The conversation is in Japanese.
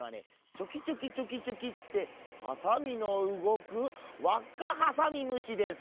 チョキチョキチョキチョキってハサミのうごく「わっかハサミむし」です。